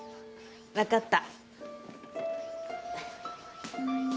わかった。